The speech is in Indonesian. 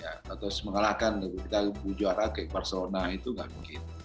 ya terus mengalahkan kita juara kayak barcelona itu nggak mungkin